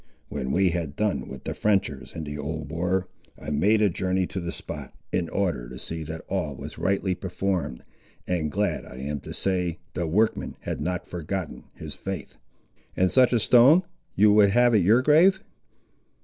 When we had done with the Frenchers in the old war, I made a journey to the spot, in order to see that all was rightly performed, and glad I am to say, the workman had not forgotten his faith." "And such a stone you would have at your grave?"